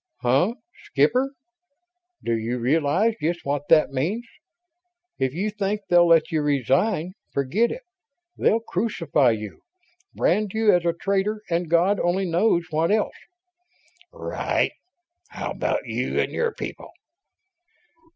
"Huh? Skipper, do you realize just what that means? If you think they'll let you resign, forget it. They'll crucify you brand you as a traitor and God only knows what else." "Right. How about you and your people?"